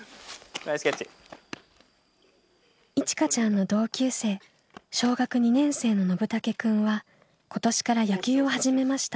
いちかちゃんの同級生小学２年生ののぶたけくんは今年から野球を始めました。